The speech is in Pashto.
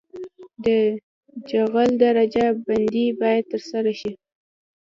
د جغل درجه بندي باید ترسره شي